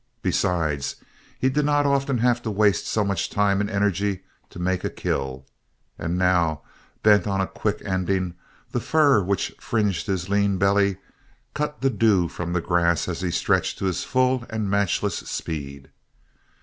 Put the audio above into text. Besides, he did not often have to waste such time and energy to make a kill, and now, bent on a quick ending, the fur which fringed his lean belly cut the dew from the grass as he stretched to his full and matchless speed.